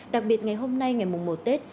đặc biệt ngày hôm nay ngày mùng một tết